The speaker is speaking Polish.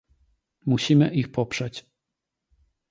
Musimy ich poprzeć